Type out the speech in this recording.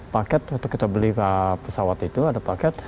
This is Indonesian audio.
paket waktu kita beli pesawat itu ada paket